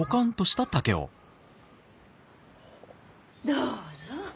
どうぞ。